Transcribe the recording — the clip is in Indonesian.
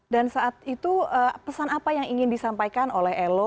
dan saat itu pesan apa yang ingin disampaikan oleh kamu